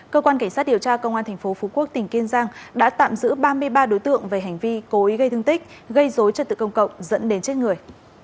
cơ quan cảnh sát điều tra công an tp phú quốc tỉnh kiên giang đã tạm giữ ba mươi ba đối tượng về hành vi cố ý gây thương tích gây dối trật tự công cộng dẫn đến chết người